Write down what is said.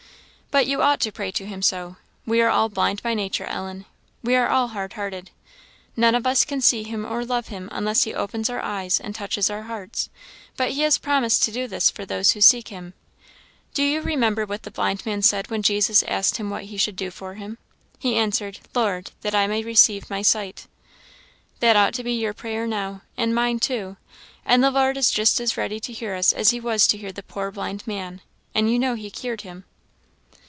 "But you ought to pray to him so. We are all blind by nature, Ellen; we are all hard hearted; none of us can see him or love him unless he opens our eyes and touches our hearts; but he has promised to do this for those who seek him. Do you remember what the blind man said when Jesus asked him what he should do for him? he answered, 'Lord, that I may receive my sight!' That ought to be your prayer now, and mine too; and the Lord is just as ready to hear us as he was to hear the poor blind man; and you know he cured him.